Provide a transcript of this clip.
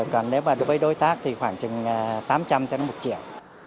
còn nếu mà đối tác thì khoảng trừng tám trăm linh một triệu